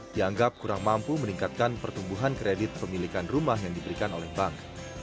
dianggap kurang mampu meningkatkan pertumbuhan kredit pemilikan rumah yang diberikan oleh bank